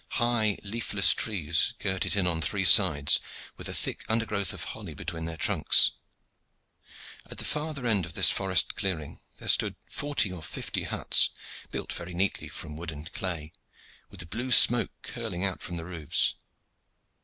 High, leafless trees girt it in on three sides, with a thick undergrowth of holly between their trunks. At the farther end of this forest clearing there stood forty or fifty huts, built very neatly from wood and clay, with the blue smoke curling out from the roofs.